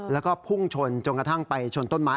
แล้วก็พุ่งชนจนกระทั่งไปชนต้นไม้